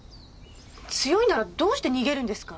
強いならどうして逃げるんですか？